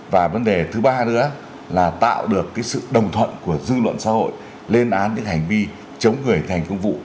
và vấn đề thứ ba nữa là tạo được sự đồng thuận của dư luận xã hội lên án những hành vi chống người thành công vụ